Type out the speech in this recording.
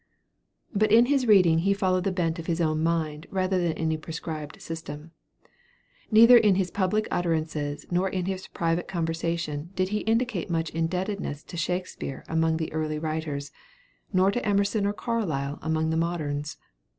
But in his reading he followed the bent of his own mind rather than any prescribed system. Neither in his public utterances nor in his private conversation did he indicate much indebtedness to Shakespeare among the earlier writers, nor to Emerson or Carlyle among the moderns.